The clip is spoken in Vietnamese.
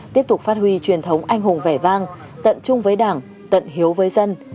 tiếp tục phát huy truyền thống anh hùng vẻ vang tận chung với đảng tận hiếu với dân